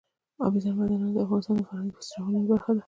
اوبزین معدنونه د افغانستان د فرهنګي فستیوالونو برخه ده.